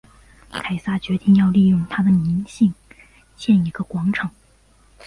凯撒决定要用他的名兴建一个广场。